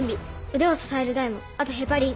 腕を支える台もあとヘパリン。